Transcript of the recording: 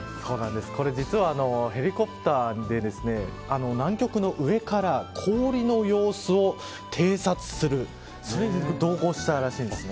これ実は、ヘリコプターで南極の上から氷の様子を偵察するそれに同行したらしいんですね。